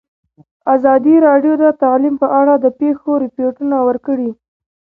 ازادي راډیو د تعلیم په اړه د پېښو رپوټونه ورکړي.